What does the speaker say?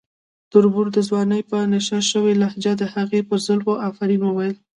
تربور د ځوانۍ په نشه شوې لهجه د هغې پر زلفو افرین وویل.